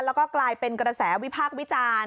แล้วก็กลายเป็นกระแสวิพากษ์วิจารณ์